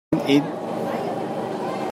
An it.